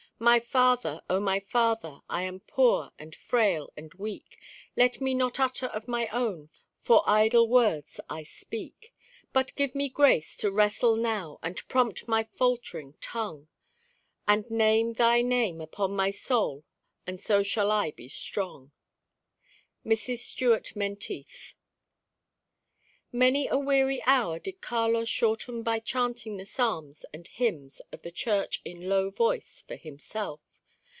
My Father, O my Father, I am poor and frail and weak, Let me not utter of my own, for idle words I speak; But give me grace to wrestle now, and prompt my faltering tongue. And name thy name upon my soul, and so shall I be strong." Mrs. Stuart Menteith Many a weary hour did Carlos shorten by chanting the psalms and hymns of the Church in a low voice for himself.